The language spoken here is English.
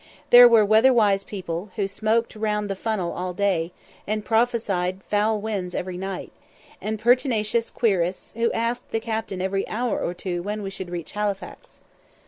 There were weather wise people, who smoked round the funnel all day, and prophesied foul winds every night; and pertinacious querists, who asked the captain every hour or two when we should reach Halifax.